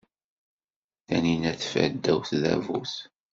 Tanina teffer ddaw tdabut.